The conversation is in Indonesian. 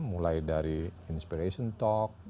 mulai dari inspiration talk